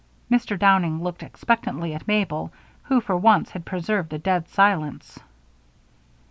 Mr. Downing looked expectantly at Mabel, who for once had preserved a dead silence.